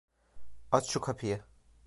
Aç şu kapıyı!